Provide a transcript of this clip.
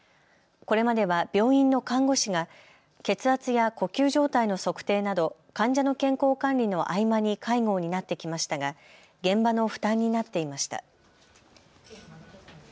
これまでは病院の看護師が血圧や呼吸状態の測定など患者の健康管理の合間に介護を担ってきましたが現場の負担になっていました。